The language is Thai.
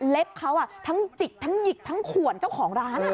เล็กเขาทั้งจิกทั้งหยิกทั้งขวนเจ้าของร้าน